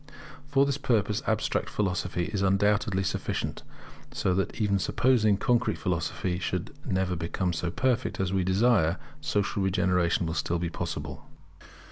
For this purpose Abstract philosophy is undoubtedly sufficient; so that even supposing that Concrete philosophy should never become so perfect as we desire, social regeneration will still be possible.